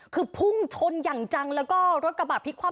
คือพุ่งชนอย่างจังแล้วก็รถกระบะพลิกคว